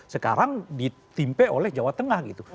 sekarang ditimpe oleh jawa tengah gitu